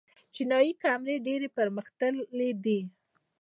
چینايي کیمرې ډېرې پرمختللې دي.